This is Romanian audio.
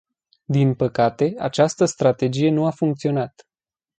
Din păcate, această strategie nu a funcționat.